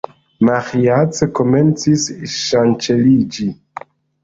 Maĥiac komencis ŝanĉeliĝi.